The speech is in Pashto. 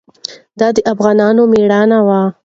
دا د افغانانو مېړانه وه.